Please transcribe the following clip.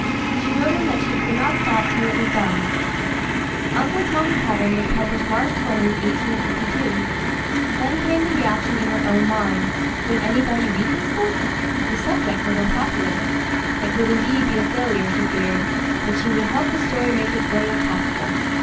She wrote him that she could not stop till it was done. Uncle Tom's Cabin was published March 20,1852. Then came the reaction in her own mind. Would anybody read this book? The subject was unpopular. It would indeed be a failure, she feared, but she would help the story make its way if possible.